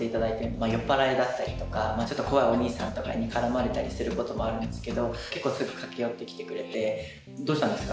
まあ酔っ払いだったりとかちょっと怖いおにいさんとかに絡まれたりすることもあるんですけど結構すぐ駆け寄ってきてくれて「どうしたんですか？」